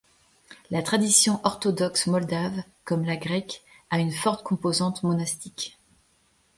La tradition orthodoxe moldave, comme la grecque, a une forte composante monastique.